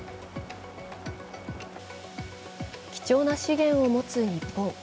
貴重な資源を持つ日本。